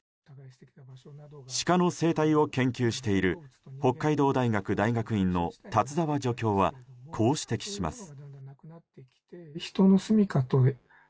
シカの生態を研究している北海道大学大学院の立澤助教はこう指摘します。